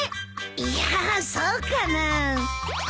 いやそうかなあ。